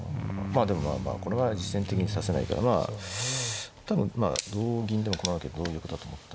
でもまあまあこれは実戦的に指せないからまあ多分まあ同銀でも困るけど同玉だと思った。